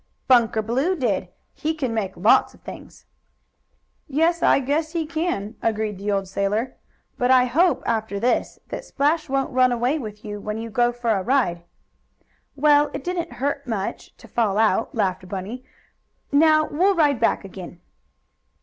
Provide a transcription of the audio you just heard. "Bunker Blue did. He can make lots of things." "Yes, I guess he can," agreed the old sailor. "But I hope, after this, that Splash won't run away with you when you go for a ride." "Well, it didn't hurt much, to fall out," laughed Bunny. "Now we'll ride back again."